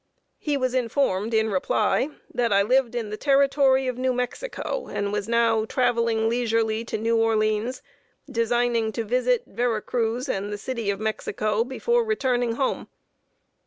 He was informed, in reply, that I lived in the Territory of New Mexico, and was now traveling leisurely to New Orleans, designing to visit Vera Cruz and the City of Mexico before returning home.